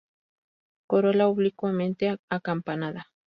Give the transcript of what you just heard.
Corola oblicuamente acampanada.